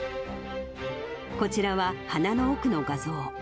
こちらは鼻の奥の画像。